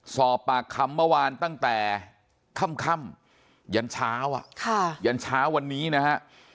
สอบปากคำเมื่อวานตั้งแต่ค่ำยันเช้ายันเช้าวันนี้นะฮะ